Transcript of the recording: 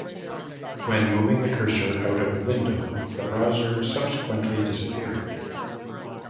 When moving the cursor out of the window, the browser subsequently disappeared.